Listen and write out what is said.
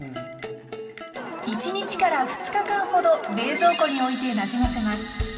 １日から２日間ほど冷蔵庫においてなじませます。